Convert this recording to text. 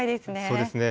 そうですね。